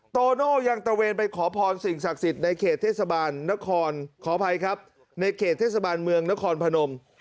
โตโน่ยังเตะเวนไปขอพรสิ่งศักดิ์สิตในเขตเทศบาลเมืองนครพนม